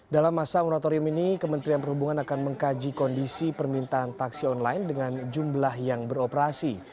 dalam masa moratorium ini kementerian perhubungan akan mengkaji kondisi permintaan taksi online dengan jumlah yang beroperasi